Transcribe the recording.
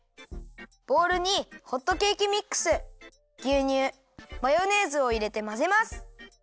ボウルにホットケーキミックスぎゅうにゅうマヨネーズをいれてまぜます！